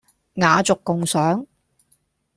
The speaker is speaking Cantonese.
雅俗共賞